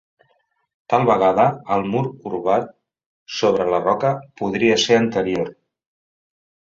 Tal vegada el mur corbat sobre la roca podria ser anterior.